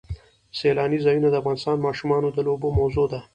سیلانی ځایونه د افغان ماشومانو د لوبو موضوع ده.